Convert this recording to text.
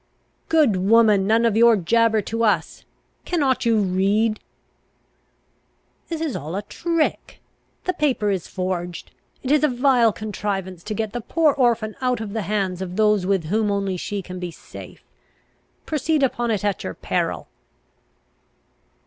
"Good woman, none of your jabber to us! Cannot you read?" "This is all a trick! The paper is forged! It is a vile contrivance to get the poor orphan out of the hands of those with whom only she can be safe. Proceed upon it at your peril!"